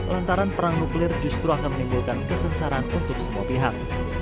lantaran perang nuklir justru akan menimbulkan kesengsaraan untuk semua pihak